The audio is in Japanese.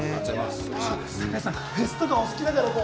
高橋さん、フェス、お好きだから。